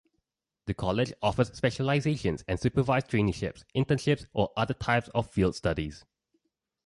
The College offers specializations and supervised traineeships, internships, or other types of field studies.